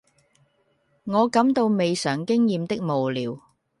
我感到未嘗經驗的無聊，